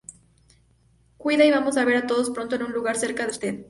Cuida y vamos a ver a todos pronto en un lugar cerca de usted!